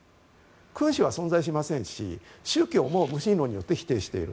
君主は存在しませんし宗教も無神論によって否定している。